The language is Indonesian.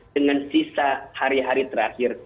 dengan sisa hari hari terakhir